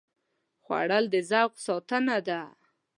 خوړل د ذوق ساتنه ده